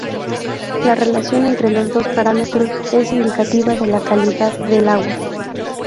La relación entre los dos parámetros es indicativa de la calidad del agua.